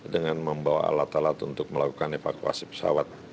dengan membawa alat alat untuk melakukan evakuasi pesawat